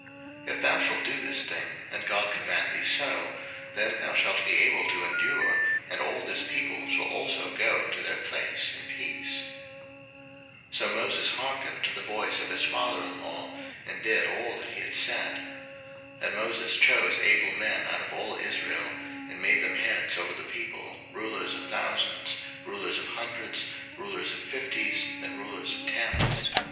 02:018:023 If thou shalt do this thing, and God command thee so, then thou shalt be able to endure, and all this people shall also go to their place in peace. 02:018:024 So Moses hearkened to the voice of his father in law, and did all that he had said. 02:018:025 And Moses chose able men out of all Israel, and made them heads over the people, rulers of thousands, rulers of hundreds, rulers of fifties, and rulers of tens.